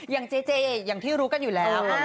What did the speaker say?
อย่างเจเจอย่างที่รู้กันอยู่แล้ว